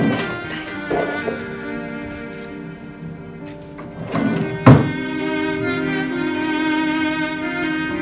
mama sudah senang